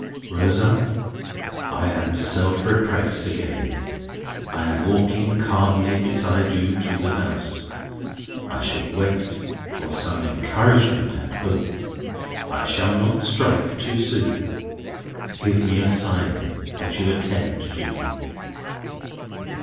"Rosa, I am self repressed again. I am walking calmly beside you to the house. I shall wait for some encouragement and hope. I shall not strike too soon. Give me a sign that you attend to me."